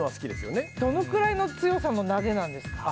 どのくらいの強さなんですかね。